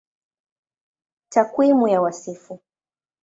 Takwimu ya Wasifu